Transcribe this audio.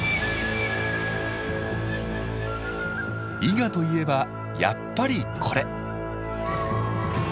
伊賀といえばやっぱりこれ！